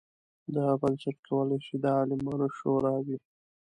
دغه بنسټ کولای شي د عالمانو شورا وي.